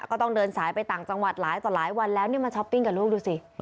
ก็ต้องเดินสายไปต่างจังหวัดหลายต่อหลายวันแล้วมาช้อปปิ้งกับลูกดูสิ